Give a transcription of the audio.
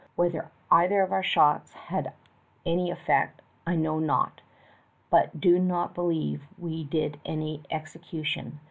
Whether either of our shots had any effect I know not, but do not believe we did any execution.